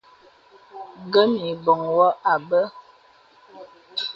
Ǹgə mə ìbɔŋ wɔ àbə.